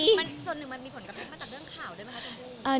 ส่วนหนึ่งมันมีผลกระทบมาจากเรื่องข่าวด้วยไหมคะอาจารย์